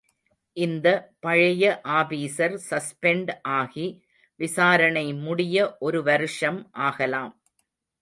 இந்த பழைய officer suspend ஆகி, விசாரணை முடிய ஒரு வருஷம் ஆகலாம்.